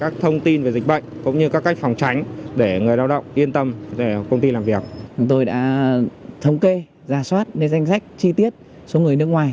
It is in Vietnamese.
chúng tôi đã thống kê ra soát lên danh sách chi tiết số người nước ngoài